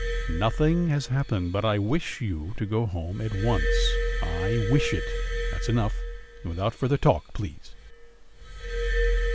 "Nothing has happened, but I wish you to go home at once.... I wish it; that's enough, and without further talk, please."